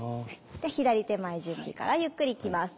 左手前準備からゆっくりいきます。